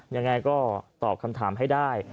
ยังไงก็ตอบคำถามให้ได้